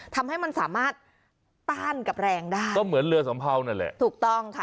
ทำให้มันสามารถต้านกับแรงได้ก็เหมือนเรือสัมเภานั่นแหละถูกต้องค่ะ